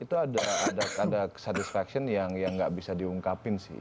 itu ada satisfaction yang nggak bisa diungkapin sih